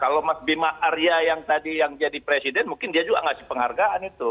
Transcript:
kalau mas bima arya yang tadi yang jadi presiden mungkin dia juga ngasih penghargaan itu